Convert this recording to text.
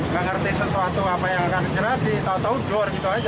gak ngerti sesuatu apa yang akan cerah di tau tau door gitu aja